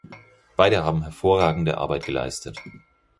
Beide haben hervorragende Arbeit geleistet.